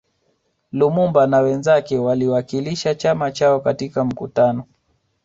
Lumumba na wenzake walikiwakilisha chama chao katika mkutano